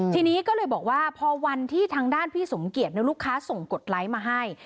ทีนี้ก็เลยบอกว่าพอวันที่ทางด้านพี่สมเกียจลูกค้าส่งกดไลค์มาให้